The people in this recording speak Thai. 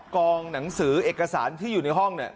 กองหนังสือเอกสารที่อยู่ในห้องเนี่ย